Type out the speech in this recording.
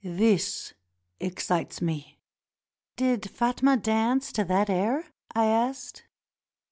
This excites me." "Did n't Fatma dance to that air?" I asked.